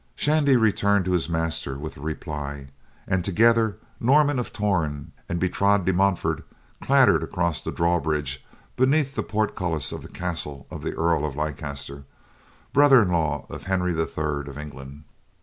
Shandy returned to his master with the reply, and together, Norman of Torn and Bertrade de Montfort clattered across the drawbridge beneath the portcullis of the castle of the Earl of Leicester, brother in law of Henry III of England.